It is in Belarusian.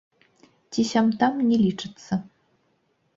Ці сям-там не лічацца.